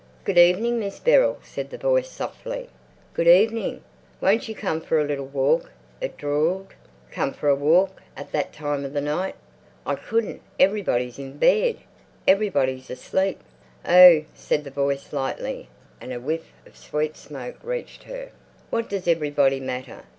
"Good evening, Miss Beryl," said the voice softly. "Good evening." "Won't you come for a little walk?" it drawled. Come for a walk—at that time of night! "I couldn't. Everybody's in bed. Everybody's asleep." "Oh," said the voice lightly, and a whiff of sweet smoke reached her. "What does everybody matter?